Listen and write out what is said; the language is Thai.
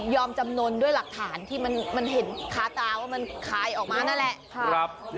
จำนวนด้วยหลักฐานที่มันเห็นค้าตาว่ามันคลายออกมานั่นแหละ